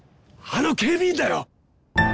あの警備員だよ！